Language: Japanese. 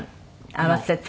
合わせて？